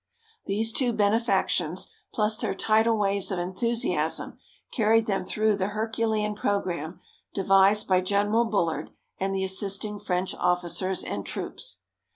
These two benefactions, plus their tidal waves of enthusiasm, carried them through the herculean programme devised by General Bullard and the assisting French officers and troops.